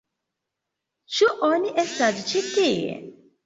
Ĉu oni estas ĉi tie?